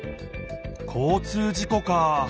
交通事故かあ。